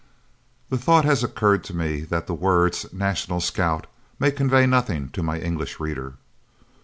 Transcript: The thought has occurred to me that the words "National Scout" may convey nothing to my English reader.